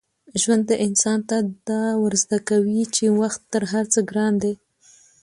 ژوند انسان ته دا ور زده کوي چي وخت تر هر څه ګران دی.